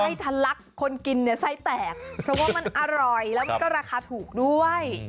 ทะลักคนกินเนี่ยไส้แตกเพราะว่ามันอร่อยแล้วมันก็ราคาถูกด้วย